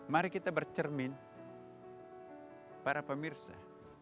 mari kita bercermin para pemirsa